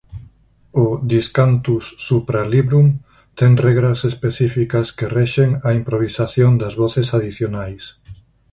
O "discantus supra librum" ten regras específicas que rexen a improvisación das voces adicionais.